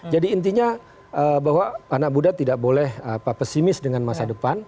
intinya bahwa anak muda tidak boleh pesimis dengan masa depan